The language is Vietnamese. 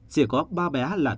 chỉ có ba bé hát lạc